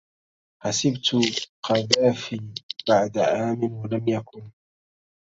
حسبت قذافي بعد عام ولم يكن